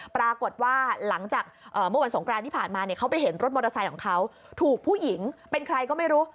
ปรากฏว่าหลังจากเมื่อวันสงกรานที่ผ่านมาเนี่ยเขาไปเห็นรถมอเตอร์ไซค์ของเขาถูกผู้หญิงเป็นใครก็ไม่รู้